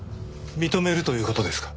認めるという事ですか？